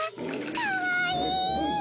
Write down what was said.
かわいい！